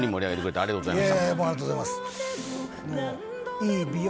ありがとうございます。